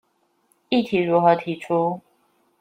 議題如何提出？